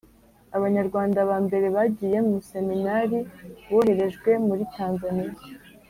abanyarwanda ba mbere bagiye mu seminari boherejwe muritanzaniya